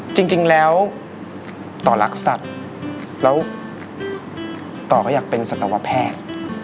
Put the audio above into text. จริงแล้วต่อรักสัตว์แล้วต่อก็อยากเป็นสัตวแพทย์